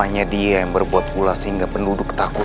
nyai gak akan tahu